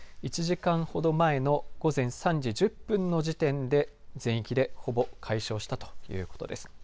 １時間ほど前の午前３時１０分の時点で全域でほぼ解消したということです。